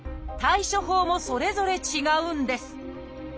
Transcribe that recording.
対処法もそれぞれ違うんです。